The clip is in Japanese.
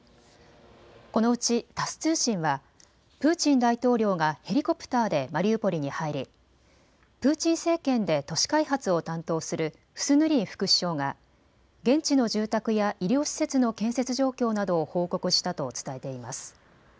このうちタス通信はプーチン大統領がヘリコプターでマリウポリに入りプーチン政権で都市開発を担当するフスヌリン副首相が現地の住宅や医療施設の建設状況などを報告したと伝えています。